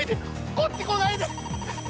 こっち来ないで。